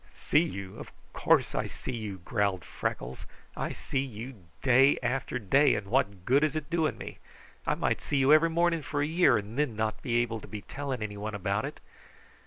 "See you! Of course I see you," growled Freckles. "I see you day after day, and what good is it doing me? I might see you every morning for a year, and then not be able to be telling anyone about it.